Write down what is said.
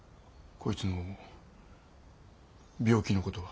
こいつの病気のことは？